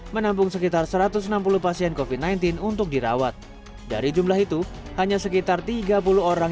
menampung sekitar satu ratus enam puluh pasien covid sembilan belas untuk dirawat dari jumlah itu hanya sekitar tiga puluh orang